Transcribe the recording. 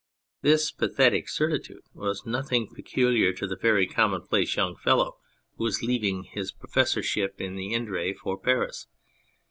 This pathetic certitude was nothing peculiar to the very commonplace young fellow who was leaving his pro 48 On the Effect of Time fessorship in the Indre for Paris.